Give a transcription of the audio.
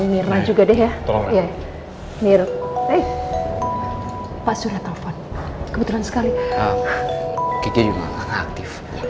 mirna juga deh ya tolong mirip mirip pak sudah telepon kebetulan sekali